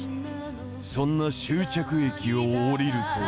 そんな終着駅を降りると。